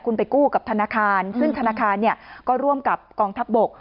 คุณไปกู้กับธนาคารซึ่งธนาคารเนี่ยก็ร่วมกับกองทัพบก